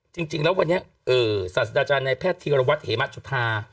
จริงจริงแล้ววันนี้เออศาสตราจารย์นายแพทย์ธีรวรรณวัฒน์เหมือนชุภา